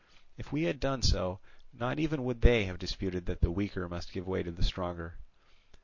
If we had done so, not even would they have disputed that the weaker must give way to the stronger.